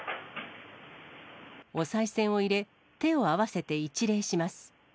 おさい銭を入れ、手を合わせて一礼します。